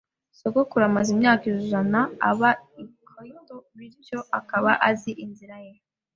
Sogokuru amaze imyaka isaga ijana aba i Kyoto, bityo akaba azi inzira ye.